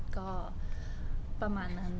ก็ประมาณนั้น